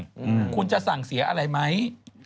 อืมคุณจะสั่งเสียอะไรไหม